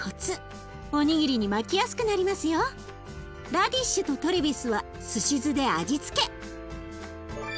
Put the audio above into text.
ラディッシュとトレビスはすし酢で味付け。